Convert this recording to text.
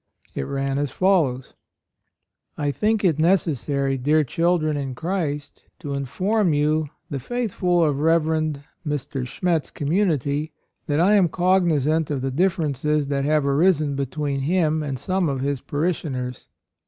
It ran as follows : "I think it necessary, dear children in Christ, to inform you, the faithful of Reverend Mr. Schmet's community, that I am cognizant of the differences that have arisen between him and some of his parishioners.